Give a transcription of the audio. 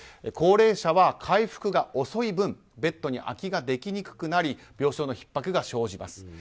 高齢者は回復が遅い分ベッドに空きができにくくなり病床のひっ迫が生じます。